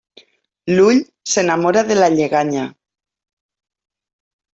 L'ull s'enamora de la lleganya.